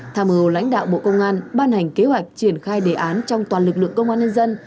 tham mưu lãnh đạo bộ công an ban hành kế hoạch triển khai đề án trong toàn lực lượng công an nhân dân